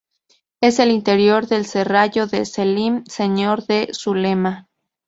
Es el interior del serrallo de Selim, señor de Zulema.